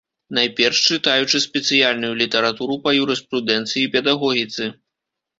Найперш чытаючы спецыяльную літаратуру па юрыспрудэнцыі і педагогіцы.